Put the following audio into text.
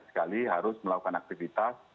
sekali harus melakukan aktivitas